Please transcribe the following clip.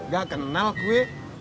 gak kenal gue